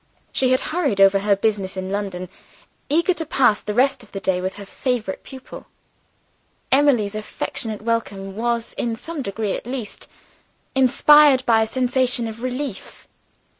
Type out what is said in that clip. She had hurried over her business in London, eager to pass the rest of the day with her favorite pupil. Emily's affectionate welcome was, in some degree at least, inspired by a sensation of relief.